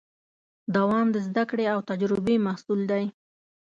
دوام د زدهکړې او تجربې محصول دی.